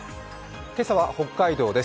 今朝は北海道です。